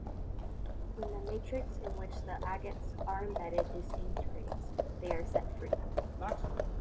When the matrix in which the agates are embedded disintegrates, they are set free.